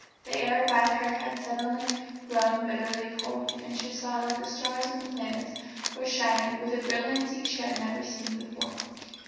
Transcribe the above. The air about her had suddenly grown bitterly cold, and she saw that the stars and planets were shining with a brilliancy she had never seen before.